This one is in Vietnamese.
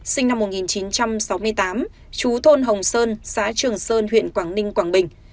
sinh năm một nghìn chín trăm sáu mươi tám chú thôn hồng sơn xã trường sơn huyện quảng ninh quảng bình